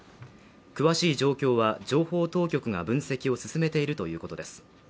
詳しい状況は情報当局が分析を進めているということです。